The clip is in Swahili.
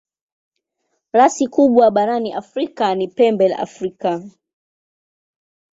Rasi kubwa barani Afrika ni Pembe la Afrika.